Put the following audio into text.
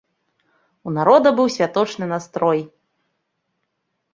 У народа быў святочны настрой.